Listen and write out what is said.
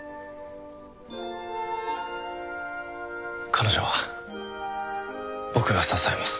彼女は僕が支えます。